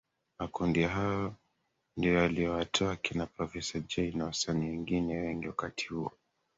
Makundi hayo ndiyo yaliyowatoa kina Professa Jay na wasanii wengine wengi wakati huo